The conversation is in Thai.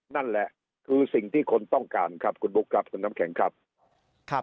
นั่นแหละคือสิ่งที่คนต้องการ